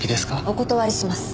お断りします。